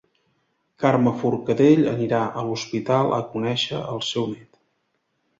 Carme Forcadell anirà a l'hospital a conèixer el seu nét